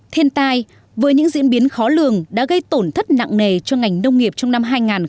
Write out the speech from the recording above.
thiên tai với những diễn biến khó lường đã gây tổn thất nặng nề cho ngành nông nghiệp trong năm hai nghìn một mươi tám